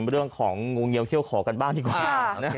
เรื่องของงูเงียวเขี้ยขอกันบ้างดีกว่า